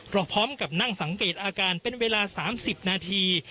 พร้อมกับนั่งสังเกตอาการเป็นเวลา๓๐นาที